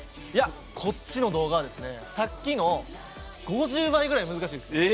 こっちの動画さっきの５０倍ぐらい難しいです。